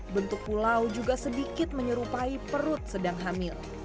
bentuk pulau juga sedikit menyerupai perut sedang hamil